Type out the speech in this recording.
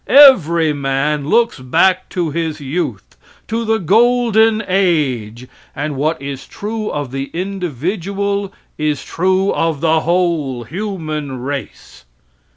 Every man looks back to his youth, to the golden age, and what is true of the individual is true of the whole human race.